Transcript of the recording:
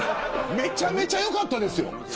めちゃめちゃ良かったですよ。